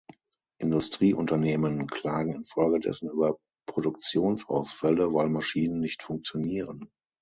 Industrieunternehmen klagen infolgedessen über Produktionsausfälle, weil Maschinen nicht funktionieren.